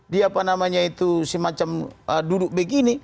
di apa namanya itu semacam duduk begini